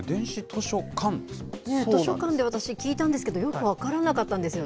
図書館で私、聞いたんですけど、よく分からなかったんですよ